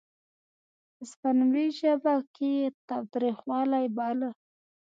هسپانوي ژبه کې یې تاوتریخوالی باله.